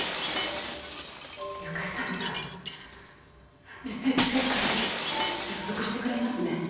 由香利さんには絶対近づかないって約束してくれますね？